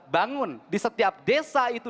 bangun di setiap desa itu